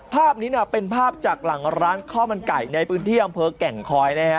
ภาพนี้เป็นภาพจากหลังร้านข้าวมันไก่ในพื้นที่อำเภอแก่งคอยนะฮะ